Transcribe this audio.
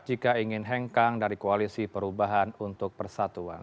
jika ingin hengkang dari koalisi perubahan untuk persatuan